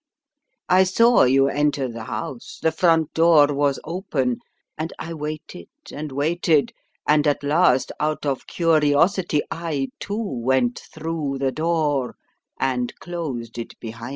I saw you enter the house, the front door was open, and I waited and waited, and at last out of curiosity I, too, went through the door, and closed it behind me.